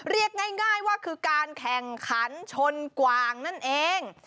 เรียกง่ายว่าคือการแข่งขันชนกวางนั่นเอง